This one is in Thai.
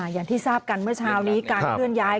อย่างที่ทราบกันเมื่อเช้านี้การเคลื่อนย้าย